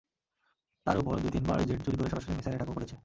তার উপর, দুই তিনবার জেট চুরি করে সরাসরি মিসাইল অ্যাটাকও করেছে।